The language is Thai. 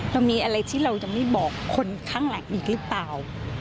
เรามีอะไรที่เราจะไม่บอกคนข้างหลังอีกหรือเปล่า